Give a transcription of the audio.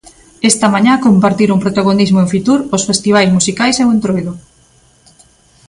Esta mañá compartiron protagonismo en Fitur os festivais musicais e o entroido.